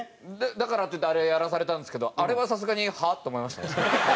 だからっていってあれやらされたんですけどあれはさすがに「はあ？」って思いました。